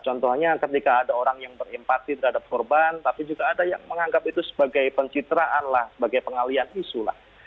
contohnya ketika ada orang yang berempati terhadap korban tapi juga ada yang menganggap itu sebagai pencitraan lah sebagai pengalian isu lah